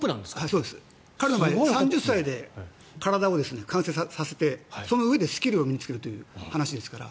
そうです、彼の場合は３０歳で体を完成させてそのうえでスキルを身に着けるという話ですから。